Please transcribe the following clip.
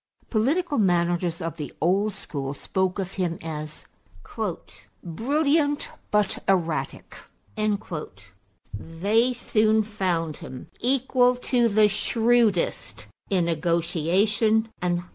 Political managers of the old school spoke of him as "brilliant but erratic"; they soon found him equal to the shrewdest in negotiation and action.